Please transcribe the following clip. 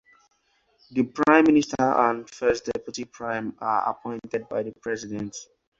The prime minister and first deputy prime are appointed by the president.